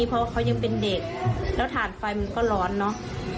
เพราะว่าเขายังเป็นเด็กแล้วฐานไฟมันก็ร้อนเนอะ